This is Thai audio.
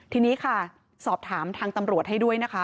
ทีนี้ค่ะสอบถามทางตำรวจให้ด้วยนะคะ